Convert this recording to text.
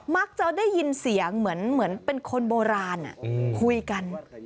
จะได้ยินเสียงเหมือนเป็นคนโบราณคุยกัน